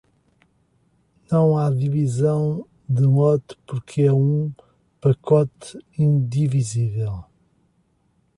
Não há divisão de lote porque é um pacote indivisível.